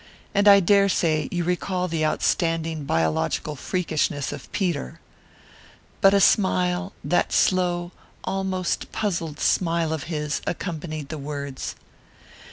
And I dare say you recall the outstanding biological freakishness of Peter.' But a smile that slow, almost puzzled smile of his accompanied the words.